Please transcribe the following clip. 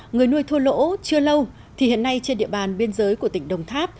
người nuôi thua lỗ chưa lâu thì hiện nay trên địa bàn biên giới của tỉnh đồng tháp